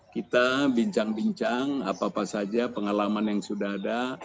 kita bincang bincang apa apa saja pengalaman yang sudah ada